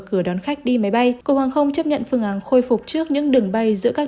cửa đón khách đi máy bay cục hàng không chấp nhận phương án khôi phục trước những đường bay giữa các